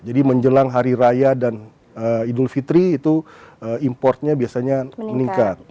jadi menjelang hari raya dan idul fitri itu importnya biasanya meningkat